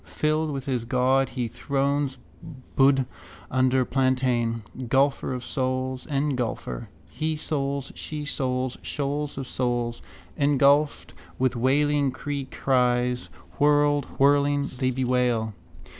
Filled with his god, he thrones, Buddh under plantain. Gulfer of souls, engulfer. Hesouls, shesouls, shoals of souls. Engulfed with wailing creecries, whirled, whirling, they bewail.